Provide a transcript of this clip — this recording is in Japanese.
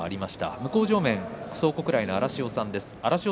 向正面、蒼国来の荒汐さんです。